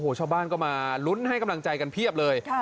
ชาวบ้านก็มาลุ้นให้กำลังใจกันเพียบเลย